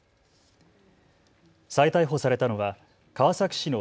再逮捕されたのは川崎市の